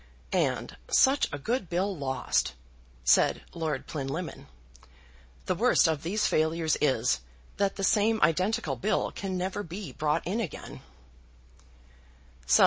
"And such a good bill lost," said Lord Plinlimmon. "The worst of these failures is, that the same identical bill can never be brought in again."